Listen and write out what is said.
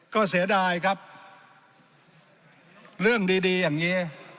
ก็เสียดายครับเรื่องดีดีอย่างนี้